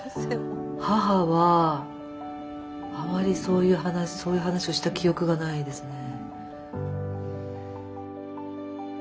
母はあまりそういう話をした記憶がないですね。